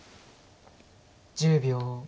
１０秒。